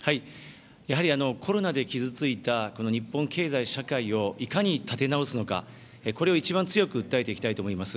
やはりコロナで傷ついたこの日本経済社会をいかに立て直すのか、これを一番強く訴えていきたいと思います。